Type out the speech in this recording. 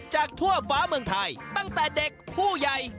ทั่วฟ้าเมืองไทยตั้งแต่เด็กผู้ใหญ่